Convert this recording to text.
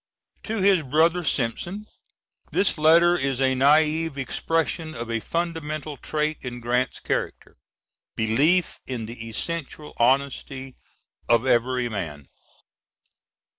[To his brother Simpson. This letter is a naive expression of a fundamental trait in Grant's character, belief in the essential honesty of every man.